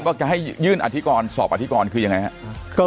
ก็จะให้ยื่นอธิกรสอบอธิกรคือยังไงครับ